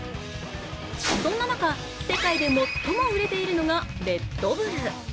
そんな中、世界で最も売れているのがレッドブル。